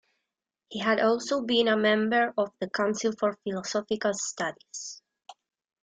He had also been a member of the Council for Philosophical Studies.